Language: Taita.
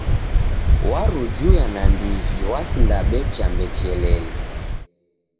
Warujuya nandighi wasinda becha mbechelele.